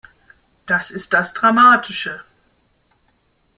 Das ist das Dramatische.